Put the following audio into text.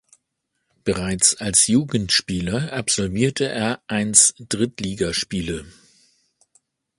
Bereits als Jugendspieler absolvierte er eins Drittligaspiele.